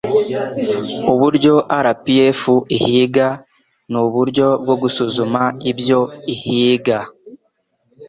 Uburyo RPF ihiga n uburyo bwo gusuzuma ibyo ihiga